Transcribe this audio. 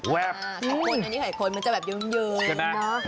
แหวกไข่ข้นอันนี้ไข่ข้นมันจะแบบเยิ่มใช่ไหม